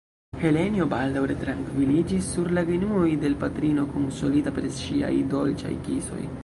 Helenjo baldaŭ retrankviliĝis sur la genuoj de l' patrino, konsolita per ŝiaj dolĉaj kisoj.